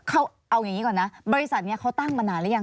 เอาอย่างนี้ก่อนนะบริษัทเนี่ยเขาตั้งมานานแล้วยัง